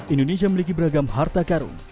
indonesia memiliki beragam harta karun